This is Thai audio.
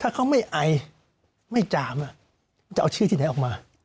ถ้าเขาไม่ไอไม่จามจะเอาชื่อที่ไหนออกมา